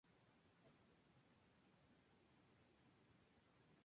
La aplicación correspondiente a la paridad constituye un homomorfismo de grupos.